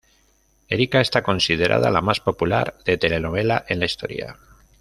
Erica está considerada la más popular de telenovela en la historia.